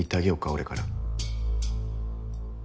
俺から。